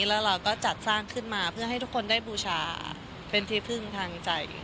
แล้วเราก็จัดสร้างขึ้นมาเพื่อให้ทุกคนได้บูชาเป็นที่พึ่งทางใจ